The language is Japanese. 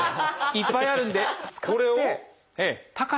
いっぱいあるんで使って。